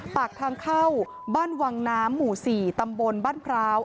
ปากทางเข้าบ้านวังน้ำหมู่๔ตำบลบ้านพร้าว